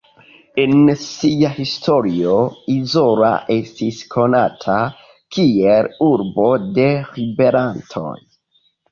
En sia historio Izola estis konata kiel urbo de ribelantoj.